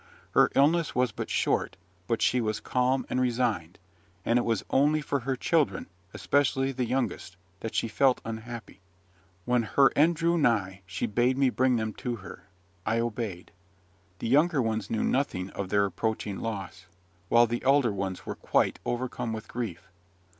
Her illness was but short, but she was calm and resigned; and it was only for her children, especially the youngest, that she felt unhappy. When her end drew nigh, she bade me bring them to her. I obeyed. The younger ones knew nothing of their approaching loss, while the elder ones were quite overcome with grief.